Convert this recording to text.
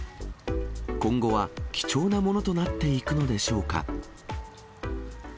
今後は貴重なものとなっていくのでしょうか。